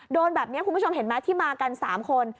โดนแบบนี้คุณผู้ชมเห็นไหมที่มากัน๓คน